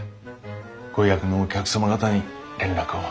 ご予約のお客様方に連絡を。